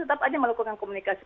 tetap aja melakukan komunikasi